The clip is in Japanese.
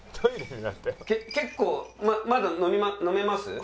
結構まだ飲めます？